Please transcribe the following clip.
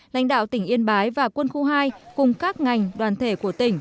lãnh đạo tỉnh yên bái và quân khu hai cùng các ngành đoàn thể của tỉnh